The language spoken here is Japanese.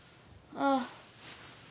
ああ。